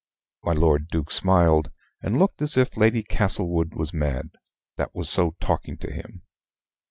My Lord Duke smiled, and looked as if Lady Castlewood was mad, that was so talking to him.